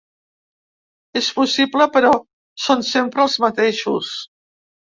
És possible, però són sempre els mateixos.